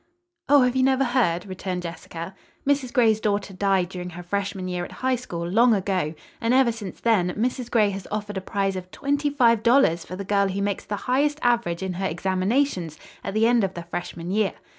"Oh, have you never heard?" returned Jessica. "Mrs. Gray's daughter died during her freshman year at High School, long ago, and ever since then, Mrs. Gray has offered a prize of twenty five dollars for the girl who makes the highest average in her examinations at the end of the freshman year.